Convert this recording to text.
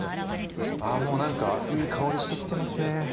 ああもう何かいい香りしてきてますね。